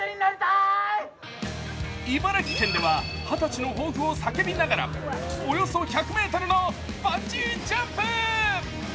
茨城県では、二十歳の抱負を叫びながらおよそ１００ｍのバンジージャンプ。